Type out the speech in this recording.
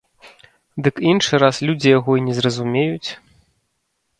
Дык іншы раз людзі яго і не зразумеюць.